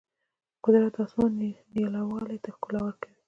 قدرت د اسمان نیلاوالي ته ښکلا ورکوي.